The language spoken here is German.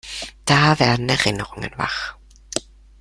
Da werden Erinnerungen wach.